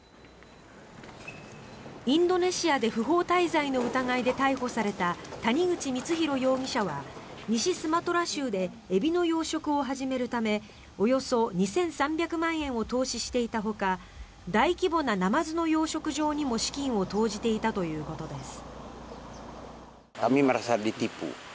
インドネシアで不法滞在の疑いで逮捕された谷口光弘容疑者は西スマトラ州でエビの養殖を始めるためおよそ２３００万円を投資していたほか大規模なナマズの養殖場にも資金を投じていたということです。